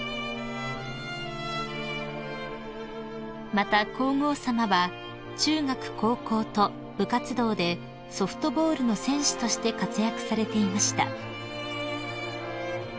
［また皇后さまは中学高校と部活動でソフトボールの選手として活躍されていました］